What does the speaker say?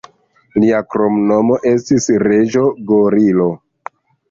Lia kromnomo estis 'Reĝo Gorilo'.